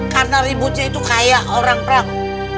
karena ributnya itu kaya orang perang